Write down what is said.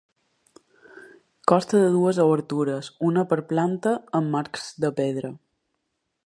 Consta de dues obertures, una per planta, amb marcs de pedra.